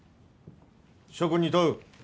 諸君に問う。